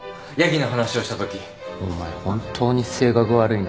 本当に性格悪いな